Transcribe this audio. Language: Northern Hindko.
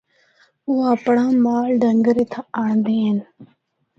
او اپنڑا مال ڈنگر اِتھا آنڑدے ہن۔